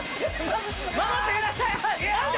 守ってください